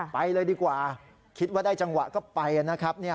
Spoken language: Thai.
ไปเลยดีกว่าคิดว่าได้จังหวะก็ไปนะครับ